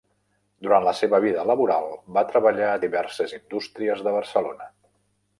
Durant la seva vida laboral va treballar a diverses indústries de Barcelona.